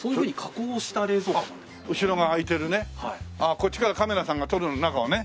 こっちからカメラさんが撮る中をね。